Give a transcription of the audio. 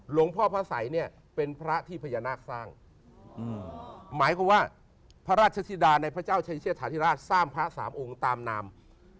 หลวงพ่อพระสัยเนี่ยเป็นพระที่พญานาคสร้างหมายความว่าพระราชธิดาในพระเจ้าชายเชษฐาธิราชสร้างพระสามองค์ตามนาม